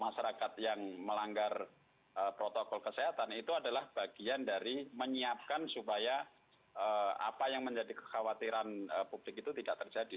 masyarakat yang melanggar protokol kesehatan itu adalah bagian dari menyiapkan supaya apa yang menjadi kekhawatiran publik itu tidak terjadi